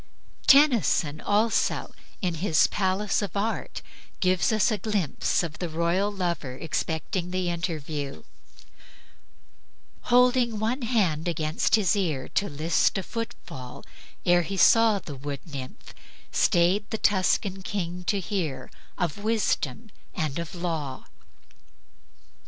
Tennyson, also, in his "Palace of Art," gives us a glimpse of the royal lover expecting the interview: "Holding one hand against his ear, To list a footfall ere he saw The wood nymph, stayed the Tuscan king to hear Of wisdom and of law."